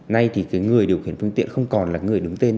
nay thì cái người điều khiển phương tiện không còn là người đứng tên